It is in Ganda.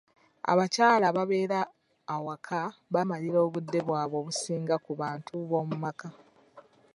Abakyala ababeera awaka bamalira obudde bwabwe obusinga ku bantu b'omu maka.